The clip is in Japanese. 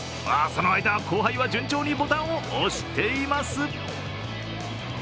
その間、後輩は順調にボタンを押しています。